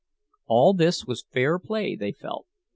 All this was fair play, they felt.